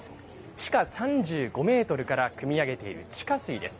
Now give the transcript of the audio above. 地下３５メートルからくみ上げている地下水です。